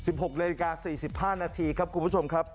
๑๖นาที๔๕นาทีครับคุณผู้ชมครับ